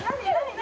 何？